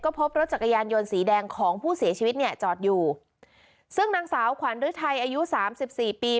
พบรถจักรยานยนต์สีแดงของผู้เสียชีวิตเนี่ยจอดอยู่ซึ่งนางสาวขวัญฤทัยอายุสามสิบสี่ปี